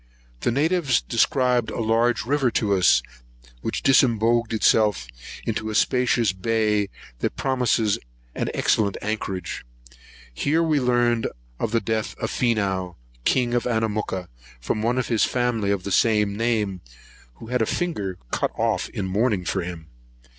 The natives described a large river to us, which disembogued itself into a spacious bay, that promises excellent anchorage.[129 1] Here we learned the death of Fenow, king of Anamooka, from one of his family of the same name, who had a finger cut off in mourning for him.